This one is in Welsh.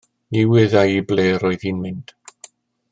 Ni wyddai i ble roedd hi'n mynd.